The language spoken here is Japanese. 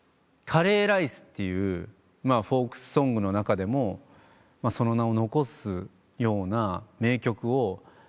『カレーライス』っていうフォークソングの中でもその名を残すような名曲を。